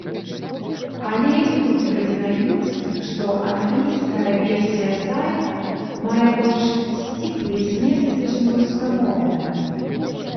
Але і тут прызнаюць, што англійская версія сайта мае больш сціплы змест, чым рускамоўная.